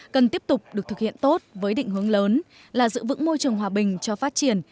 cần tiếp tục được thực hiện tốt với định hướng lớn là giữ vững môi trường hòa bình cho phát triển